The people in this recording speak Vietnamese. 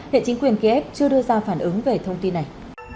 hiện chính quyền kiev chưa đưa ra phản ứng về thông tin này